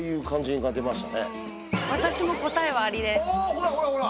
ほらほらほら！